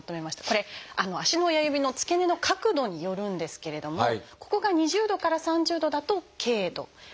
これ足の親指の付け根の角度によるんですけれどもここが２０度から３０度だと「軽度」。